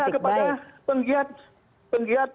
saya ingin membawa persoalan ini ke politik